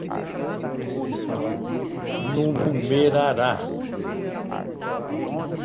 numerará